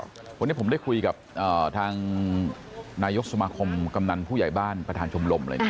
วันนี้ผมได้คุยกับทางนายกสมาคมกำนันผู้ใหญ่บ้านประธานชมรมเลยนะ